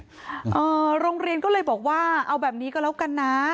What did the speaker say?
เอ่อโรงเรียนก็เลยบอกว่าเอาแบบนี้ก็แล้วกันนะ